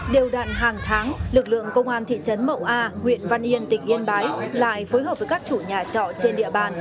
điều đạn hàng tháng lực lượng công an thị trấn mậu a huyện văn yên tỉnh yên bái lại phối hợp với các chủ nhà trọ trên địa bàn